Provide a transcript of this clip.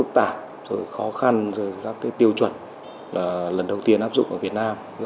có khăn rồi các tiêu chuẩn lần đầu tiên áp dụng ở việt nam